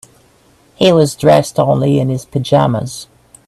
He was dressed only in his pajamas.